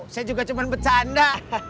saya juga cuma bercanda